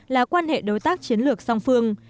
là quan hệ đối tác chiến lược song phương